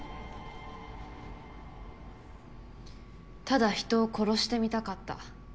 ただ人を殺してみたかった。